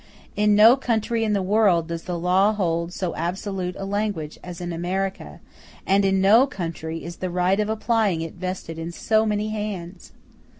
In no country in the world does the law hold so absolute a language as in America, and in no country is the right of applying it vested in so many hands.